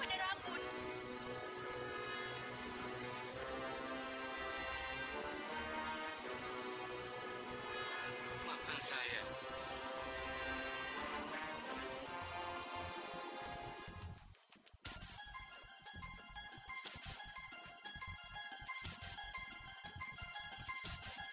dia menceritakan semuanya kepada rambun